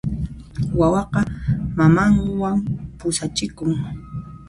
Wawaqa mamanwan pusachikun.